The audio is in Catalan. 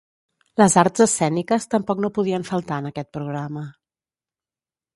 Les arts escèniques tampoc no podien faltar en aquest programa.